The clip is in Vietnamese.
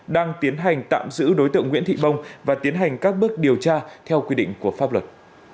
đang tiến hành tạm giữ đối tượng nguyễn thị bông và tiến hành các bước điều tra theo quy định của pháp luật